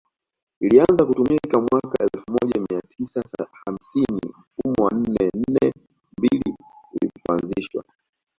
ilianza kutumika mwaka elfu moja mia tisa hamsini mfumo wa nne nne mbili ulipoanzishwa